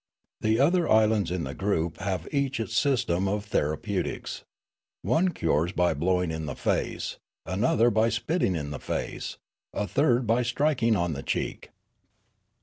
The other islands in the group have each its system of therapeu tics : one cures by blowing in the face, another by spitting in the face, a third by striking on the cheek.